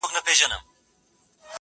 د قاضي مخي ته ټول حاضرېدله،